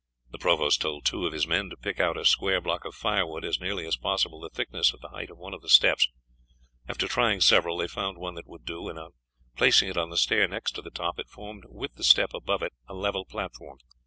The provost told two of his men to pick out a square block of firewood, as nearly as possible the thickness of the height of one of the steps. After trying several they found one that would do, and on placing it on the stair next to the top it formed with the step above it a level platform.